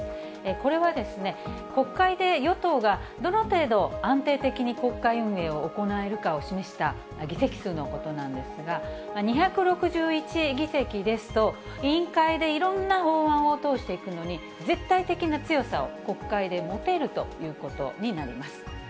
これは、国会で与党がどの程度、安定的に国会運営を行えるかを示した議席数のことなんですが、２６１議席ですと、委員会でいろんな法案を通していくのに、絶対的な強さを、国会で持てるということになります。